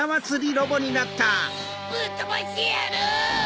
ぶっとばしてやる！